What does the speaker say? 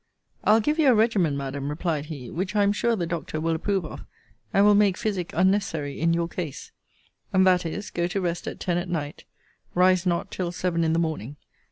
I'll give you a regimen, Madam, replied he; which, I am sure, the doctor will approve of, and will make physic unnecessary in your case. And that is, 'go to rest at ten at night. Rise not till seven in the morning.